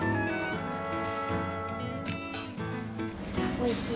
おいしい。